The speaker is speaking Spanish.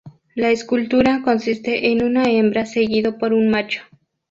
La escultura consiste en una hembra seguido por un macho.